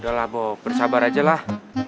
udah lah bob bersabar aja lah